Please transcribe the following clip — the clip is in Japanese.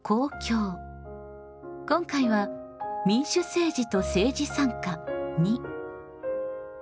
今回は「民主政治と政治参加②」。